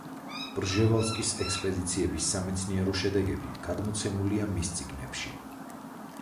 პრჟევალსკის ექსპედიციების სამეცნიერო შედეგები გადმოცემულია მის წიგნებში.